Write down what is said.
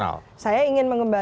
iya saya ingin mengembalikan